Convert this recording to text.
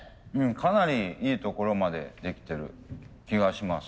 かなりいいところまでできてる気がします。